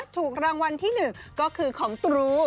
ถูกรางวัลที่๑ก็คือของตรู